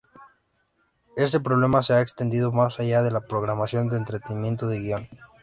Este problema se ha extendido más allá de la programación de entretenimiento con guión.